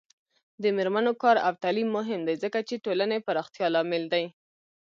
د میرمنو کار او تعلیم مهم دی ځکه چې ټولنې پراختیا لامل دی.